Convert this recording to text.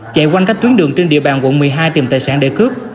chạy quanh các tuyến đường trên địa bàn quận một mươi hai tìm tài sản để cướp